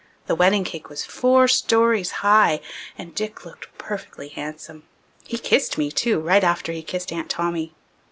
The wedding cake was four stories high, and Dick looked perfectly handsome. He kissed me too, right after he kissed Aunt Tommy.